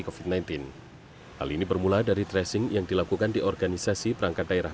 covid sembilan belas hal ini bermula dari tracing yang dilakukan di organisasi perangkat daerah